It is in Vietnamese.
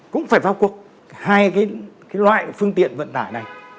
cũng phải vào cuộc hai loại phương tiện vận tải này